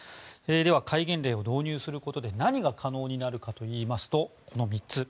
では、戒厳令を導入することで何が可能になるかといいますとこの３つ。